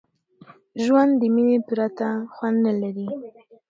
ژوند د میني پرته خوند نه لري.